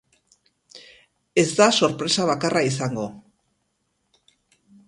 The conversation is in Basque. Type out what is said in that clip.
Ez da sorpresa bakarra izango.